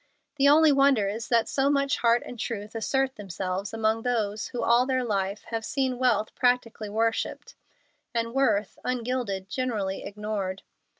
The only wonder is that so much heart and truth assert themselves among those who all their life have seen wealth practically worshipped, and worth, ungilded, generally ignored.